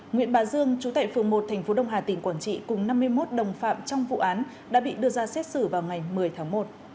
nguyễn bà dương trú tại phường một tp đông hà tỉnh quảng trị cùng năm mươi một đồng phạm trong vụ án đã bị đưa ra xét xử vào ngày một mươi tháng một